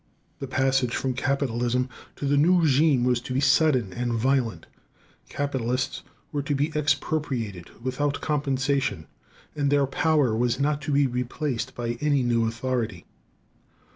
The passage from capitalism to the new régime was to be sudden and violent: capitalists were to be expropriated without compensation, and their power was not to be replaced by any new authority.